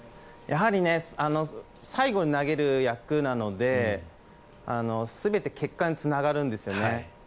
やはり最後に投げる役なので全て結果につながるんですよね。